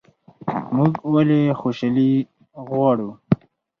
موږ ولې خوشحالي غواړو؟